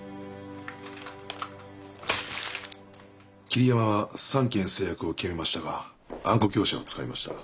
桐山は３件成約を決めましたがあんこ業者を使いました。